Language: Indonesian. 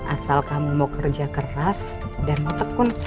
asal kamu mau kerja keras dan mau tekun sayang